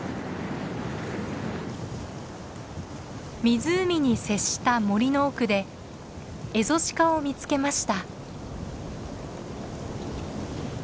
湖に接した森の奥でエゾシカを見つけました。